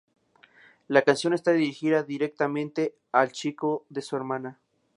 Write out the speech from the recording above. La canción está dirigida directamente al chico de su hermana.